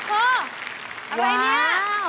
โอ้โฮอะไรเนี่ย